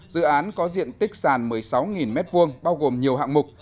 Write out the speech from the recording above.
dự án có diện tích sàn một mươi sáu m hai bao gồm nhiều hạng mục